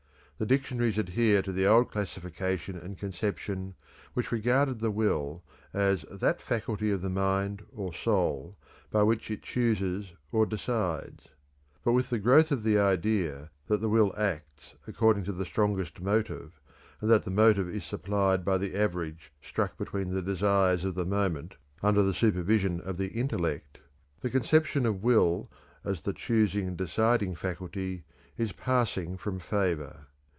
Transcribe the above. The dictionaries adhere to the old classification and conception which regarded the will as "that faculty of the mind or soul by which it chooses or decides." But with the growth of the idea that the will acts according to the strongest motive, and that the motive is supplied by the average struck between the desires of the moment, under the supervision of the intellect, the conception of will as the choosing and deciding faculty is passing from favor.